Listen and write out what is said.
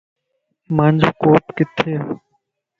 مانجو ڪوپ ڪٿيَ